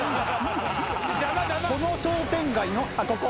この商店街のここ！